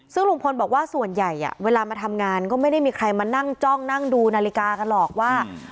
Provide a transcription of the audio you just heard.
ซึ่งลุงพลบอกว่าส่วนใหญ่เวลามาทำงานก็ไม่ได้มีใครมานั่งจ้องนั่งดูนาฬิกากันหรอกว่า